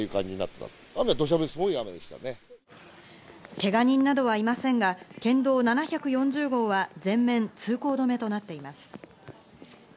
けが人などはいませんが県道７４０号は全面通行止めとなっています。